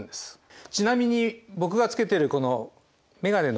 ちなみに僕がつけてるこの眼鏡の。